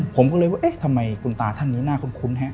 ผมก็เลยว่าทำไมกุญตาท่านหนึ่งหน้าคุ้นคุ้นฮะ